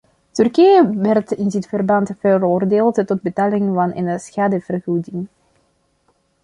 Turkije werd in dit verband veroordeeld tot betaling van een schadevergoeding.